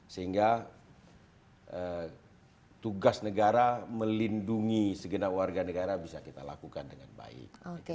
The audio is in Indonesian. sehingga tugas negara melindungi segenap warga negara bisa kita lakukan dengan baik